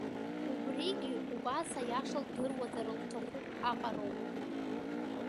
Убригьы убас аиаша лдыруазар лҭахуп аҟароуп.